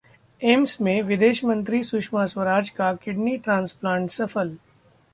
AIIMS में विदेश मंत्री सुषमा स्वराज का किडनी ट्रांसप्लांट सफल